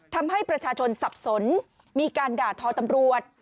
ทำให้ประชาชนสับสนมีการด่าทอตำรวจ